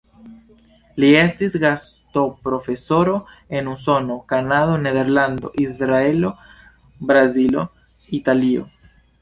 Li estis gastoprofesoro en Usono, Kanado, Nederlando, Izraelo, Brazilo, Italio.